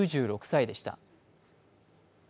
９６歳でした。